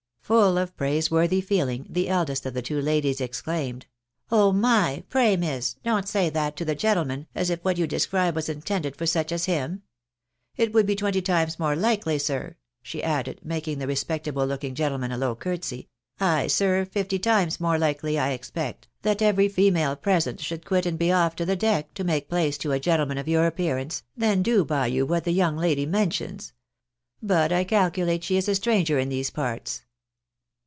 Full of praiseworthy feeling, the eldest of the two ladies ex claimed, " Oh my ! Pray, miss, don't say that to the gentleman, as if what you describe was intended for such as him ! It would be twenty times more Ukely, sir," she added, making the respectable looking gentleman a low courtesy, " ay, sir, fifty times more likely, I expect, that every female present should quit and be off to the deck to make place to a gentleman of your appearance, than do by you what the young lady mentions. But I calculate she is a stranger in these parts."